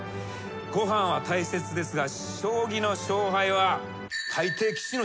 ごはんは大切ですが将棋の勝敗は。